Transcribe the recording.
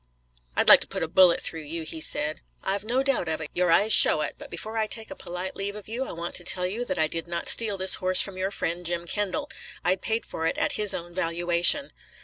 "I'd like to put a bullet through you," he said. "I've no doubt of it, your eyes show it, but before I take a polite leave of you I want to tell you that I did not steal this horse from your friend, Jim Kendall. I paid for it at his own valuation."